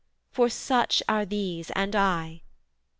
for such are these and I.'